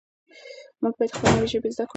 موږ باید نوې ژبې زده کړو.